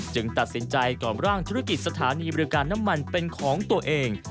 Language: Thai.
ตัดสินใจก่อนร่างธุรกิจสถานีบริการน้ำมันเป็นของตัวเอง